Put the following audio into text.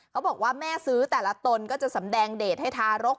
เขาบอกว่าแม่ซื้อแต่ละตนก็จะสำแดงเดทให้ทารก